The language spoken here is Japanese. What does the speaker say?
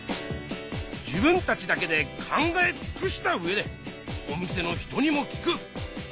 自分たちだけで考えつくした上でお店の人にも聞く。